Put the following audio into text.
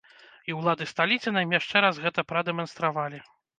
І ўлады сталіцы нам яшчэ раз гэта прадэманстравалі.